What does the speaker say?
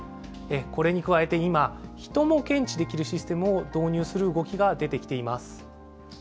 これに加えて今、人も検知できるシステムを導入する動きが出てきています。